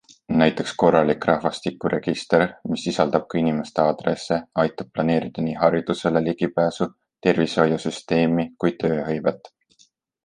Näiteks korralik rahavastikuregister, mis sisaldab ka inimeste aadresse, aitab planeerida nii haridusele ligipääsu, tervishoiusüsteemi kui tööhõivet.